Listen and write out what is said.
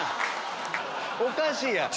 おかしいやん！